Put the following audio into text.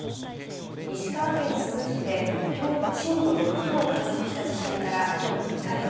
石川県珠洲市で震度６強を観測した地震からきょうで２か月。